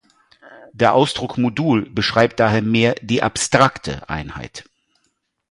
Der Ausdruck "Modul" beschreibt daher mehr die abstrakte Einheit.